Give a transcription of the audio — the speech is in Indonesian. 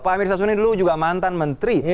pak amir sassoni dulu juga mantan menteri